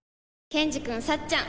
ケンジくんさっちゃん